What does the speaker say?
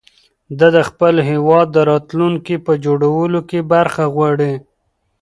ده د خپل هېواد د راتلونکي په جوړولو کې برخه غواړي.